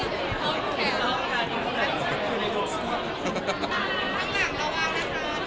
โปรดติดตามตอนต่อไป